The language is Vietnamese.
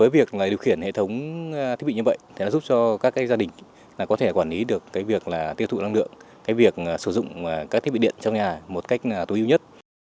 và tiếp tục làm được việc sử dụng các thiết bị điện trong nhà một cách tối ưu nhất